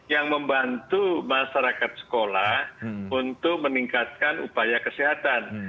yang membantu masyarakat sekolah untuk meningkatkan upaya kesehatan